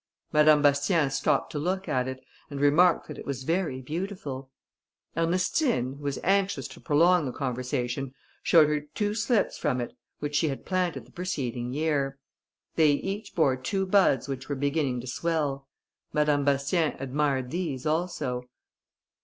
Madame Bastien stopped to look at it, and remarked that it was very beautiful. Ernestine, who was anxious to prolong the conversation, showed her two slips from it which she had planted the preceding year; they each bore two buds which were beginning to swell. Madame Bastien admired these also.